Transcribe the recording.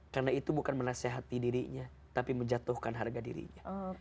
karena itu bukan menasehati dirinya tapi menjatuhkan harga dirinya